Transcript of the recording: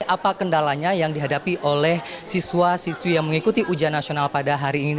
apa kendalanya yang dihadapi oleh siswa siswi yang mengikuti ujian nasional pada hari ini